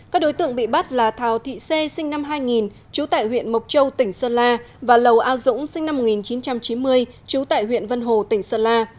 các đối tượng bị bắt là thảo thị xê sinh năm hai nghìn trú tại huyện mộc châu tỉnh sơn la và lầu a dũng sinh năm một nghìn chín trăm chín mươi trú tại huyện vân hồ tỉnh sơn la